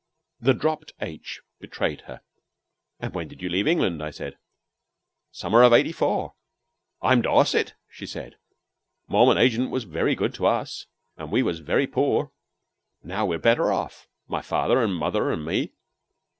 The dropped "h" betrayed her. "And when did you leave England?" I said. "Summer of '84. I am Dorset," she said. "The Mormon agent was very good to us, and we was very poor. Now we're better off my father, an' mother, an' me."